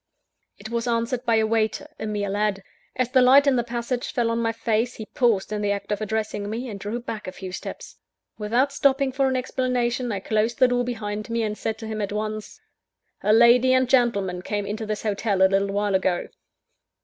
It was answered by a waiter a mere lad. As the light in the passage fell on my face, he paused in the act of addressing me, and drew back a few steps. Without stopping for any explanations, I closed the door behind me, and said to him at once: "A lady and gentleman came into this hotel a little while ago."